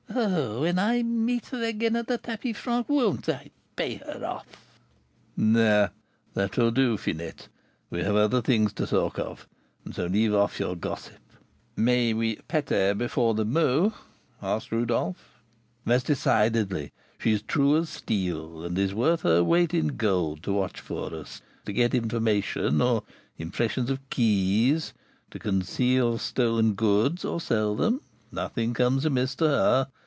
Oh, when I meet her again at the tapis franc, won't I pay her off " "There, that'll do, Finette; we have other things to talk of, and so leave off your gossip." "May we 'patter' before the 'mot?'" asked Rodolph. "Most decidedly! She's true as steel, and is worth her weight in gold to watch for us, to get information or impressions of keys, to conceal stolen goods or sell them, nothing comes amiss to her.